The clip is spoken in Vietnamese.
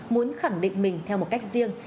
muốn khẳng định mình theo một cách riêng